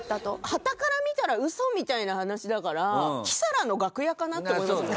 端から見たらウソみたいな話だからキサラの楽屋かな？って思いますもんね。